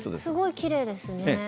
すごいきれいですね。